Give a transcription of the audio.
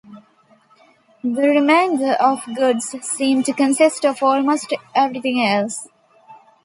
The remainder of goods seem to consist of almost everything else.